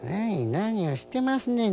何をしてますねん。